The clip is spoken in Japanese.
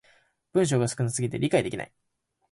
文章が少な過ぎて理解できない